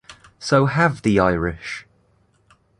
So have the Irish.